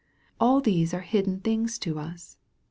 All these are hidden things to us.